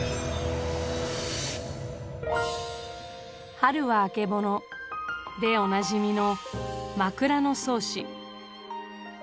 「春はあけぼの」でおなじみの「枕草子」。